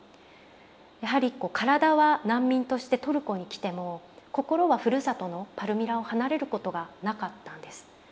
やはりこう体は難民としてトルコに来ても心はふるさとのパルミラを離れることがなかったんです。